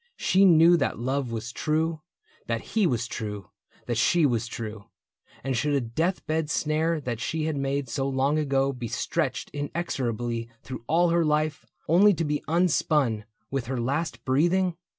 She knew that love Was true, that he was true, that she was true ; And should a death bed snare that she had made So long ago be stretched inexorably Through all her life, only to be unspun With her last breathing?